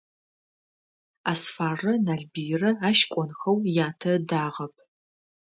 Асфаррэ Налбыйрэ ащ кӀонхэу ятэ ыдагъэп.